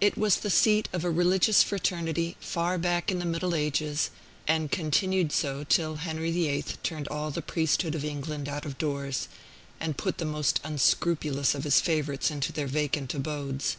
It was the seat of a religious fraternity far back in the Middle Ages, and continued so till Henry VIII. turned all the priesthood of England out of doors, and put the most unscrupulous of his favorites into their vacant abodes.